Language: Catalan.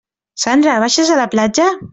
Sandra, baixes a la platja?